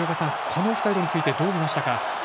このオフサイドについてどう見ましたか？